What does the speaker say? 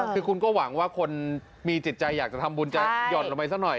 คือคุณก็หวังว่าคนมีจิตใจอยากจะทำบุญจะหย่อนลงไปซะหน่อย